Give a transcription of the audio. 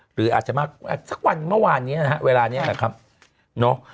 หรืออาจจะมากสักวันเมื่อวานนี้นะฮะเวลานี้แหละครับเนาะ